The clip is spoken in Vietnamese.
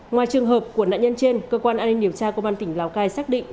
ngoài trường hợp của nạn nhân trên cơ quan an ninh điều tra công an tỉnh lào cai xác định